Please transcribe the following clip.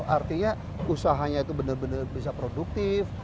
artinya usahanya itu benar benar bisa produktif